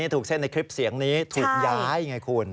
ถูกเส้นในคลิปเสียงนี้ถูกย้ายไงคุณ